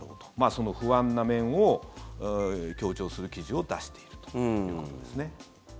その不安な面を強調する記事を出しているということですね。